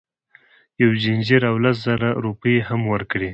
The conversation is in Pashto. یو ځنځیر او لس زره روپۍ یې هم ورکړې.